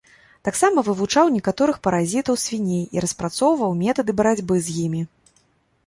Таксама вывучаў некаторых паразітаў свіней і распрацоўваў метады барацьбы з імі.